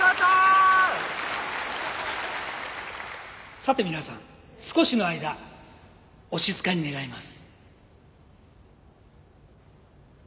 さて皆さん少しの間お静かに願います。